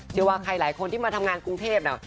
เชื่อว่าใครหลายคนที่มาทำงานกรุงเทพนะ